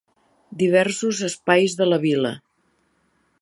Diversos espais de la vila.